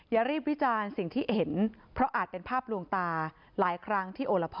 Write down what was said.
อย่ารีบวิจารณ์สิ่งที่เห็นเพราะอาจเป็นภาพลวงตาหลายครั้งที่โอละพ่อ